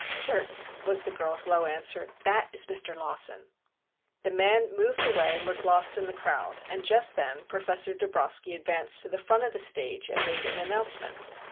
"Certain," was the girl's low answer, "that is Mr. Lawson." The man moved away and was lost in the crowd, and just then Professor Dabroski advanced to the front of the stage and made an announcement.